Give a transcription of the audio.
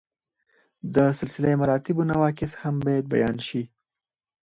د سلسله مراتبو نواقص هم باید بیان شي.